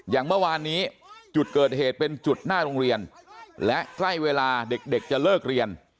อย่างเมื่อวานนี้จุดเกิดเหตุเป็นจุดหน้าโรงเรียนและใกล้เวลาเด็กจะเลิกเรียน